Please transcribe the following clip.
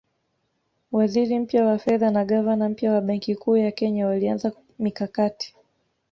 Waziri mpya wa fedha na gavana mpya wa Benki Kuu ya Kenya walianza mikakati